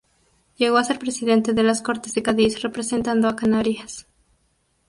Llegó a ser presidente de las Cortes de Cádiz representando a Canarias.